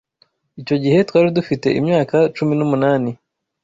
Icyo gihe twari dufite imyaka cumi n'umunani.